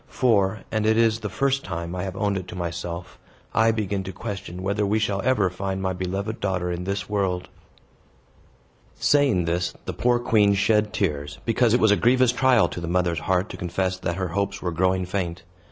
For and it is the first time I have owned it to myself I begin to question whether we shall ever find my beloved daughter in this world." Saying this, the poor queen shed tears, because it was a grievous trial to the mother's heart to confess that her hopes were growing faint.